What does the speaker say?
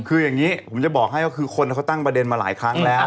คืออย่างนี้ผมจะบอกให้ก็คือคนเขาตั้งประเด็นมาหลายครั้งแล้ว